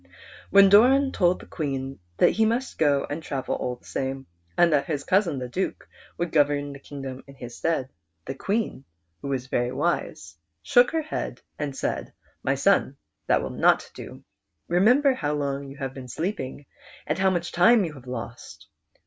When Doran told the Queen that he must go and travel all the same, and that his cousin the Duke would govern the kingdom in his stead, the Queen, who was very wise, shook her head and said, " My son, that will not do. Remember how long you have been sleeping, and how much time you have lost."